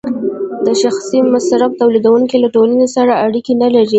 د شخصي مصرف تولیدونکی له ټولنې سره اړیکه نلري